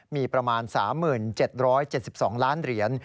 มีประมาณ๓๗๗๒ล้านเหรียญ